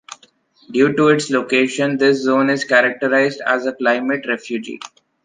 Due to its location, this zone is characterized as a climate refuge.